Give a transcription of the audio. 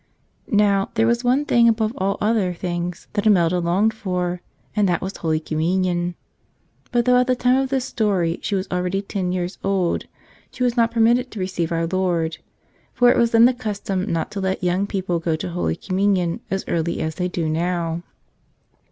Now, there was one thing above all other things that Imelda longed for, and that was Holy Communion. But though at the time of this story she was already 136 The Little Patroness of First Communicants ten years old, she was not permitted to receive her Lord; for it was then the custom not to let young people go to Holy Communion as early as they do now.